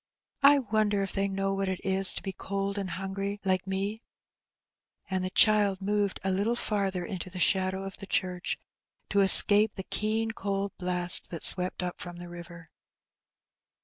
1 wonder if they know what it is to be cold and hungry like me ?" And the child moved a little farther into the shadow of the church, to escape the keen cold blast that swept up from the river.